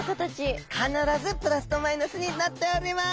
必ずプラスとマイナスになっております。